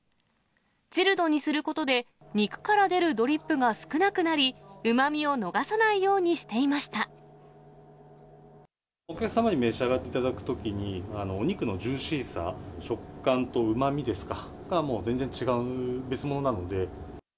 チルドにすることで、肉から出るドリップが少なくなり、うまみを逃さないようにしていまお客様に召し上がっていただくときに、お肉のジューシーさ、食感とうまみですか、が、もう全然違う、別物なので。